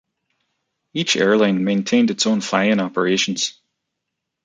Each airline maintained is own flying operations.